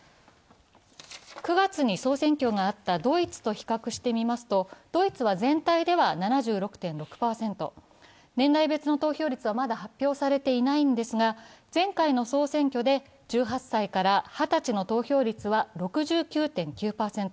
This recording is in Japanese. ９月に総選挙があったドイツと比較してみますと、ドイツは全体では７６．６％、年代別の投票率はまだ発表されていないんですが前回の総選挙で１８歳から二十歳の投票率は６９．９％。